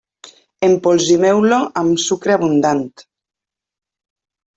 Empolsimeu-lo amb sucre abundant.